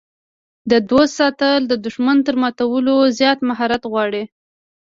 د دوست ساتل د دښمن تر ماتولو زیات مهارت غواړي.